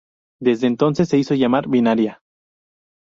Desde entonces se hizo llamar Binaria.